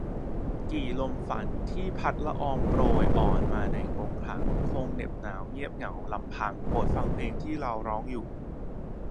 กี่ลมฝันที่พัดละอองโปรยอ่อนมาในกรงขัง คงเหน็บหนาวเงียบเหงาลำพัง โปรดฟังเพลงที่เราร้องอยู่